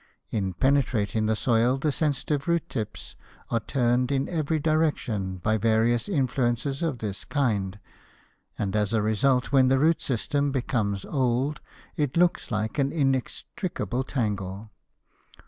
In penetrating the soil the sensitive root tips are turned in every direction by various influences of this kind, and as a result, when the root system becomes old, it looks like an inextricable tangle.